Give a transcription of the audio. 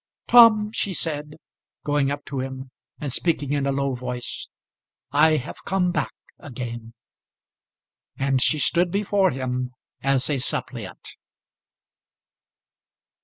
"Tom," she said, going up to him, and speaking in a low voice, "I have come back again." And she stood before him as a suppliant.